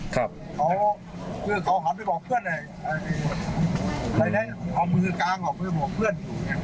เขาหันไปบอกเพื่อนเลยเอามือกลางออกไปบอกเพื่อน